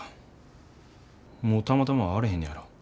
もうたまたま会われへんねやろ？